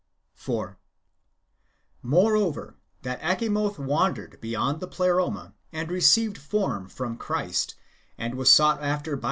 4. Moreover, that Achamoth wandered beyond the Pleroma, and received form from Christ, and was sought after by the 1 Luke ix.